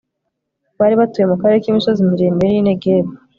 bari batuye mu karere k'imisozi miremire n'i negebu+